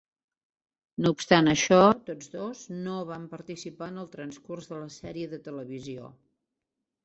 No obstant això, tots dos no van participar en el transcurs de la sèrie de televisió.